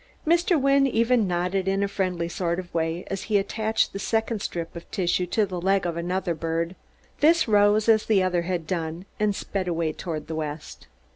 Mr. Wynne even nodded in a friendly sort of way as he attached the second strip of tissue to the leg of another bird. This rose, as the other had done, and sped away toward the west.